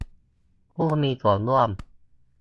ผู้มีส่วนร่วม